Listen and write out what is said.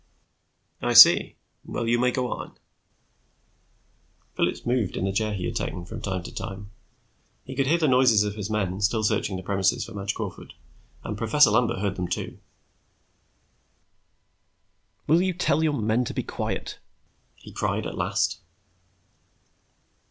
"I see. Well, you may go on." Phillips moved in the chair he had taken, from time to time. He could hear the noises of his men, still searching the premises for Madge Crawford, and Professor Lambert heard them, too. "Will you tell your men to be quiet?" he cried at last.